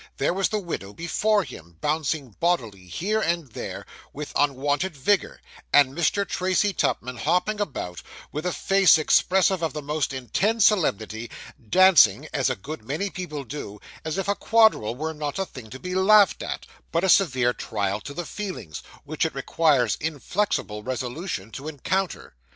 There was the widow before him, bouncing bodily here and there, with unwonted vigour; and Mr. Tracy Tupman hopping about, with a face expressive of the most intense solemnity, dancing (as a good many people do) as if a quadrille were not a thing to be laughed at, but a severe trial to the feelings, which it requires inflexible resolution to encounter.